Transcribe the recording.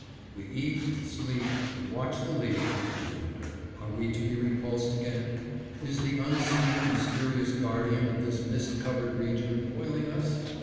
We eat, and sleep, and watch the lead, and wonder. Are we to be repulsed again? Is the unseen, mysterious guardian of this mist covered region foiling us?